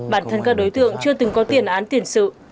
bản thân các đối tượng chưa từng có tiền án tiền sự